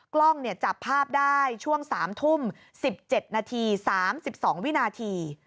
กล้องจับภาพได้ช่วง๓ทุ่ม๑๗นาที๓๒วินาที